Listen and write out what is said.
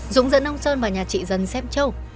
dũng dẫn ông sơn vào nhà trị dân xếp trâu